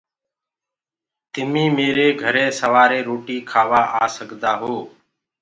تمينٚ ميري گھري سورآري روٽي کآوآ آ سڪدآ هو۔